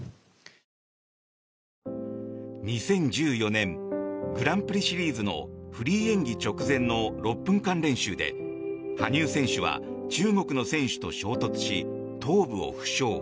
２０１４年グランプリシリーズのフリー演技直前の６分間練習で羽生選手は中国の選手と衝突し頭部を負傷。